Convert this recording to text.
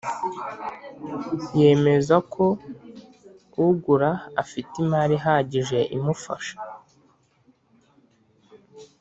Yemezako ugura afite imari ihagije imufasha